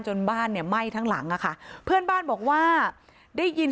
บ้านเนี่ยไหม้ทั้งหลังอะค่ะเพื่อนบ้านบอกว่าได้ยิน